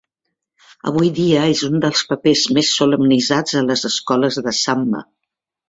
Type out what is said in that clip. Avui dia, és un dels papers més solemnitzats a les escoles de samba.